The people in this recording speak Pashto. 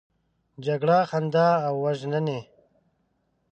جګړه خندا وژني